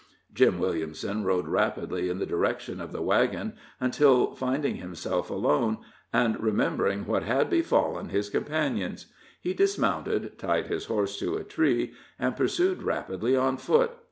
Jim Williamson rode rapidly in the direction of the wagon until, finding himself alone, and remembering what had befallen his companions, he dismounted, tied his horse to a tree, and pursued rapidly on foot.